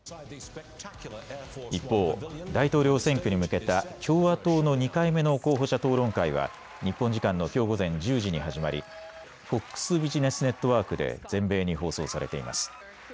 一方、大統領選挙に向けた共和党の２回目の候補者討論会は日本時間のきょう午前１０時に始まり、ＦＯＸビジネスネットワークで全米に放送されています。